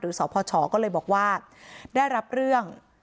สพชก็เลยบอกว่าได้รับเรื่อง